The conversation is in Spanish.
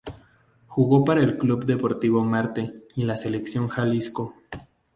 Jugó para el Club Deportivo Marte y la Selección Jalisco.